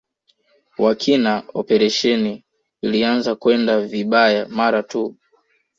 wa kina operesheni ilianza kwenda vibayaa mara tu